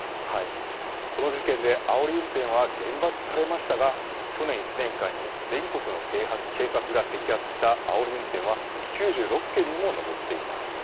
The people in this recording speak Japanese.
この事件であおり運転は厳罰化されましたが去年１年間に全国の警察が摘発したあおり運転は９６件にも上っています。